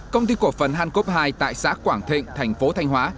công ty cổ phần hancov hai tại xã quảng thịnh thành phố thanh hóa